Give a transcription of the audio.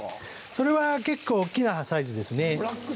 それは、結構大きなサイズですね。